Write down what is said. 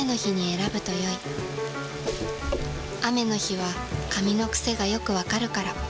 雨の日は髪の癖がよくわかるから。